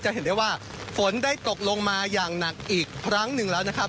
เห็นได้ว่าฝนได้ตกลงมาอย่างหนักอีกครั้งหนึ่งแล้วนะครับ